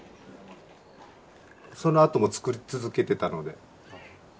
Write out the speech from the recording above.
そのあともつくり続けてたので。